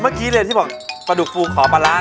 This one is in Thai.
เมื่อกี้เลยที่บอกปลาดุกฟูขอปลาร้า